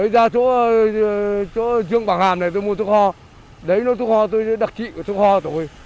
ra chỗ trường bảng hàm này tôi mua thuốc ho đấy là thuốc ho tôi đặc trị của thuốc ho tôi